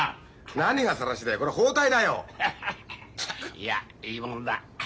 いやいいもんだ。